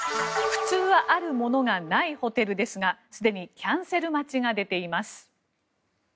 普通はあるものがないホテルですがすでにキャンセル待ちが出ています。